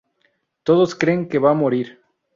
Todos creen que va a morir.